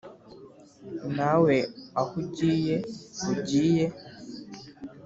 nawe aho ugiye ugiye